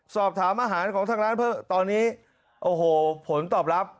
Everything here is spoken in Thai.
สอบถามอาหารของทางร้านเพิ่มตอนนี้โอ้โหผลตอบรับ